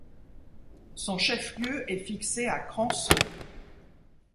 Son chef-lieu est fixé à Crançot.